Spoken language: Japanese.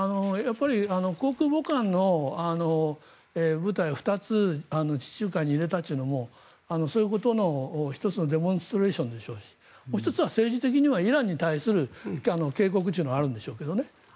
航空母艦の部隊を２つ地中海に入れたというのもそういうことの１つのデモンストレーションでしょうしもう１つは政治的にはイランに対する警告があるんでしょうけどね。